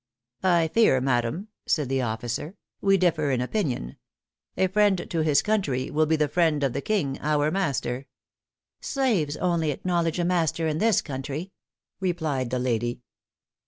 "I fear, madam," said the officer, "we differ in opinion. A friend to his country will be the friend of the king, our master." "Slaves only acknowledge a master in this country," replied the lady.